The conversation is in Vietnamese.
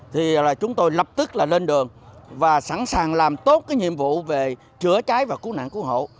thì chúng tôi lập tức là lên đường và sẵn sàng làm tốt cái nhiệm vụ về chữa cháy và cứu nạn cứu hộ